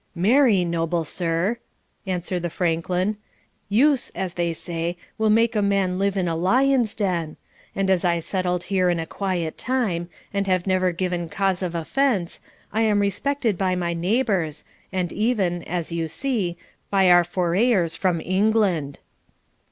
'Marry, noble sir,' answered the Franklin, 'use, as they say, will make a man live in a lion's den; and as I settled here in a quiet time, and have never given cause of offence, I am respected by my neighbours, and even, as you see, by our FORAYERS from England.'